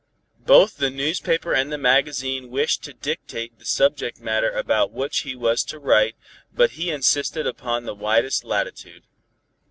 Both the newspaper and the magazine wished to dictate the subject matter about which he was to write, but he insisted upon the widest latitude.